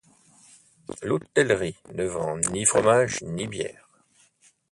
L'hôtellerie ne vend ni fromage ni bière.